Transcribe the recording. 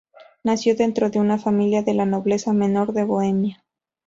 Nació dentro de una familia de la nobleza menor de Bohemia.